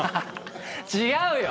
違うよ！